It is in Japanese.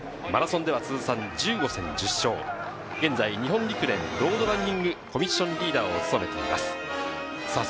マラソンでは通算１５戦１０勝、現在、日本陸連ロードランニングコミッションリーダーを務めています。